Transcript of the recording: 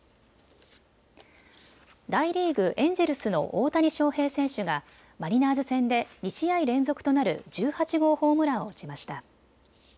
大リーグ、エンジェルスの大谷翔平選手がマリナーズ戦で２試合連続となる１８号ホームランを打ちました。